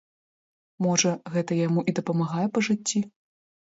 Можа, гэта яму і дапамагае па жыцці?